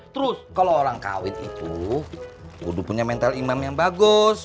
terus kalau orang kawit itu udah punya mental imam yang bagus